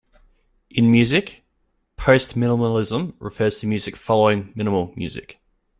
In music, "postminimalism" refers to music following minimal music.